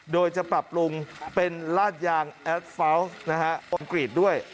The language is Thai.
โดยจะปรับปรุงเป็นราดยางแอลทฟัลต์นะฮะอังกฤทธิ์ด้วย